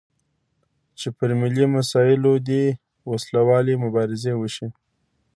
چې پر ملي مسایلو دې وسلوالې مبارزې وشي.